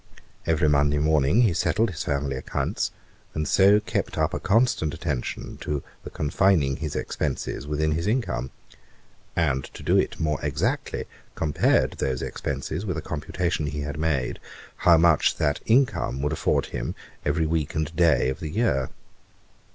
Every Monday morning he settled his family accounts, and so kept up a constant attention to the confining his expences within his income; and to do it more exactly, compared those expences with a computation he had made, how much that income would afford him every week and day of the year.